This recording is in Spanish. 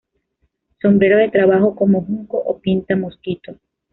Sombrero de trabajo como junco o pinta mosquito.